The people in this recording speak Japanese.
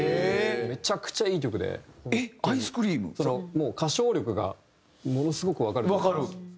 もう歌唱力がものすごくわかるというか。